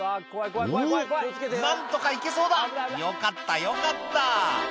「おっ何とか行けそうだよかったよかった」